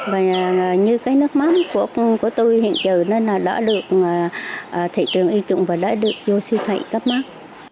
và như cái nước mắm của tôi hiện trời nó đã được thị trường y trụng và đã được vô siêu thị cấp mắt